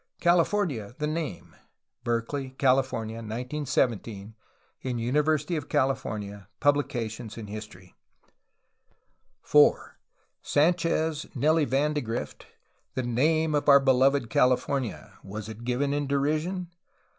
California: the name (Berke ley, California. 1917), in University of California, Pub lications in history f v. IV, no. 4, 289 365. 4. Sanchez, Nellie van de Grift. The name of our beloved Cali fornia: was it given in derision?